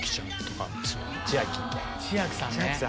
千秋さんね。